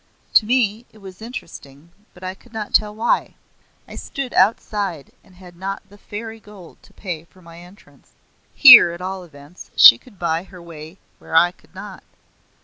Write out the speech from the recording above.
To me it was interesting, but I could not tell why. I stood outside and had not the fairy gold to pay for my entrance. Here at all events she could buy her way where I could not.